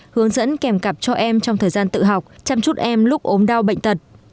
hướng dẫn kèm cặp cho em trong thời gian tự học chăm chút em lúc ốm đau bệnh tật